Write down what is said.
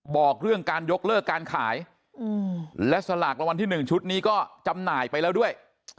บอกเรื่องการยกเลิกการขายและสลากรางวัลที่๑ชุดนี้ก็จำหน่ายไปแล้วด้วย